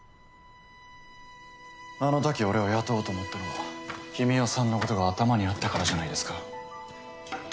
あのとき俺を雇おうと思ったのは君雄さんのことが頭にあったからじゃないですか？